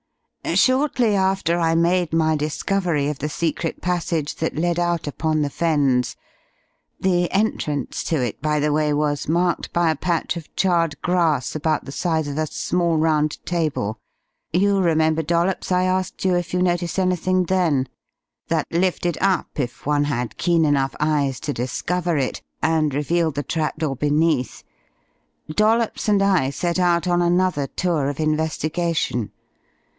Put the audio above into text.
Shortly after I made my discovery of the secret passage that led out upon the Fens the entrance to it, by the way, was marked by a patch of charred grass about the size of a small round table (you remember, Dollops, I asked you if you noticed anything then?), that lifted up, if one had keen enough eyes to discover it, and revealed the trap door beneath Dollops and I set out on another tour of investigation.